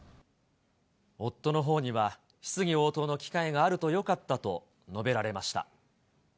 夫のほうには、質疑応答の機会があるとよかったと述べられました。